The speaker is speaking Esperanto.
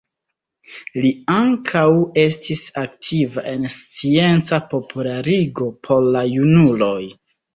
Li ankaŭ estis aktiva en scienca popularigo por la junuloj.